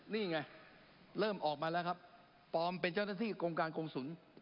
นี่ไงเริ่มออกมาแล้วครับปลอมเป็นเจ้าหน้าที่กรมการกงศูนย์